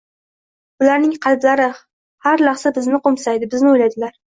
Ularning qalblari har lahza bizni qoʻmsaydi, bizni oʻylaydilar